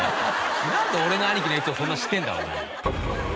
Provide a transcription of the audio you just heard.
なんで俺の兄貴のやつをそんな知ってんだ。